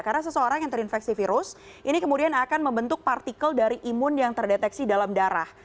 karena seseorang yang terinfeksi virus ini kemudian akan membentuk partikel dari imun yang terdeteksi dalam darah